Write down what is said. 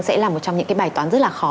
sẽ là một trong những cái bài toán rất là khó